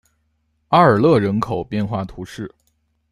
阿尔勒人口变化图示